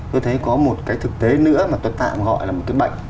tôi thấy có một cái thực tế nữa mà tôi tạm gọi là một cái bệnh